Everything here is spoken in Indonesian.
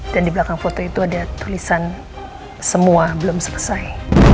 dan di belakang foto itu ada tulisan semua belum selesai